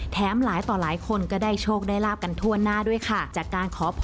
แถมหลายต่อหลายคนก็ได้โชคได้ราบกันทั่วหน้าด้วยค่ะ